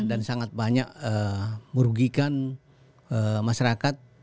dan sangat banyak merugikan masyarakat